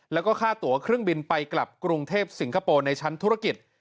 แล้วก็ค่าตัวเครื่องบินไปกลับกรุงเทพสิงคโปร์ในชั้นธุรกิจ